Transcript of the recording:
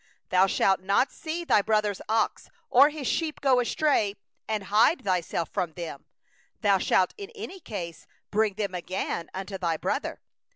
Thou shalt not see thy brother's ox or his sheep driven away, and hide thyself from them; thou shalt surely bring them back unto thy brother.